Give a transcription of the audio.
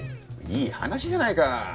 いい話じゃないか。